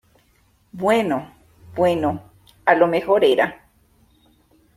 bueno, bueno , a lo mejor era